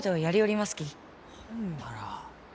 ほんなら。